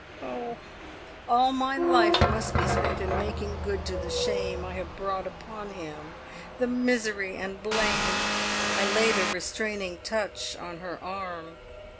Oh! all my life must be spent in making good the shame I have brought upon him, the misery and blame!" I laid a restraining touch on her arm.